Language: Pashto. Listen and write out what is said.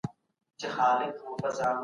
زه له خپل ورور سره بازۍ کوم.